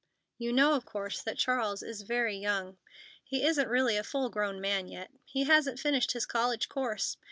"You know, of course, that Charles is very young. He isn't really a full grown man yet. He hasn't finished his college course.